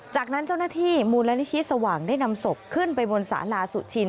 จากนั้นเจ้าหน้าที่มูลนิธิสว่างได้นำศพขึ้นไปบนสาราสุชิน